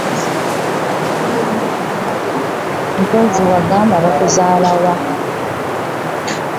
Mpozzi wagamba bakuzaala wa?